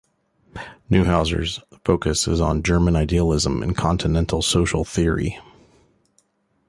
Neuhouser's focus is on German Idealism and continental social theory.